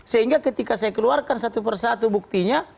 sehingga ketika saya keluarkan satu persatu buktinya